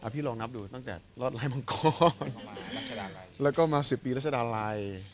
พี่ลองนับดูตั้งแต่รอดลายมังกอลแล้วก็มา๑๐ปีราชดารายย์